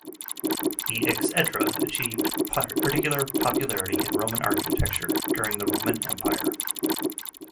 The exedra achieved particular popularity in Roman architecture during the Roman Empire.